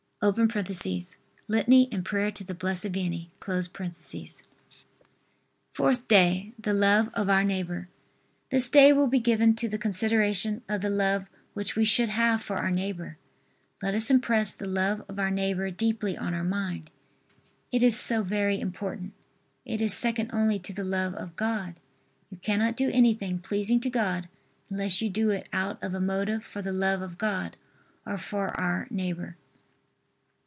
[Litany and prayer to the Blessed Vianney.] FOURTH DAY. THE LOVE OF OUR NEIGHBOR. This day will be given to the consideration of the love which we should have for our neighbor. Let us impress the love of our neighbor deeply on our mind. It is so very important. It is second only to the love of God. You cannot do anything pleasing to God unless you do it out of a motive for the love of God or for our neighbor.